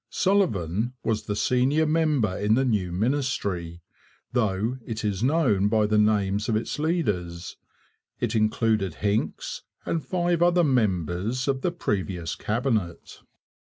Sullivan was the senior member in the new ministry, though it is known by the names of its leaders. It included Hincks and five other members of the previous Cabinet.